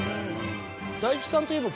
大吉さんといえば。